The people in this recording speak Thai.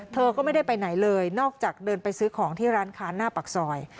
เธอก็ไม่ได้ไปไหนเลยนอกจากเดินไปซื้อของที่ร้านค้าหน้าปากซอย